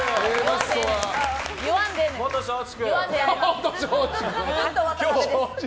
元松竹！